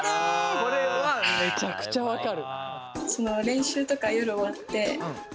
これはめちゃくちゃ分かる。